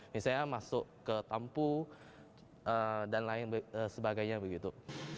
misalnya masuk ke tampu dan lain sebagainya begitu